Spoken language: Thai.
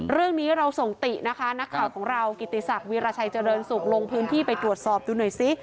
เรื่องนี้เราส่งตินะคะนักข่าวของเรากิติศักดิราชัยเจริญสุขลงพื้นที่ไปตรวจสอบดูหน่อยซิ